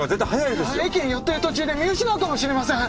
駅に寄ってる途中で見失うかもしれません。